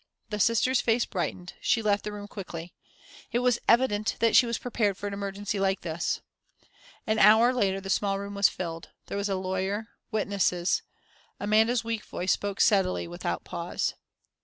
The Sister's face brightened, she left the room quickly. It was evident that she was prepared for an emergency like this. An hour later the small room was filled there was a lawyer, witnesses.... Amanda's weak voice spoke steadily, without a pause....